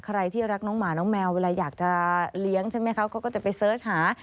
ใครที่รักน้องหมาน้องแมวเวลาอยากจะเลี้ยงใช่ไหมคะเขาก็จะไปเสิร์ชหา